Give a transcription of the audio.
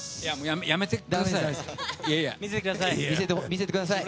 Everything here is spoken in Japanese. やめてください。